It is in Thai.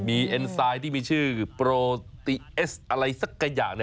มีเอ็นไซด์ที่มีชื่อโปรตีเอสอะไรสักอย่าง